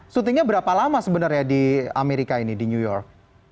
syutingnya berapa lama sebenarnya di amerika ini di new york